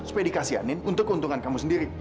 supaya dikasihanin untuk keuntungan kamu sendiri